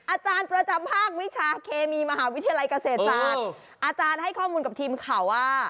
อาจารย์ประจำภาควิชาเคมีมหาวิทยาลัยเกษตรศาสตร์อาจารย์ให้ข้อมูลกับทีมข่าวว่า